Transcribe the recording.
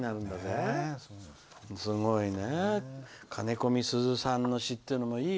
すごいね。